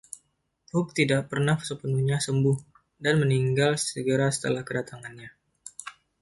Hugh tidak pernah sepenuhnya sembuh, dan meninggal segera setelah kedatangannya.